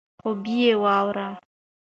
خوب یې واوره.